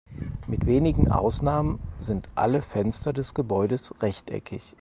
Mit wenigen Ausnahmen sind alle Fenster des Gebäudes rechteckig.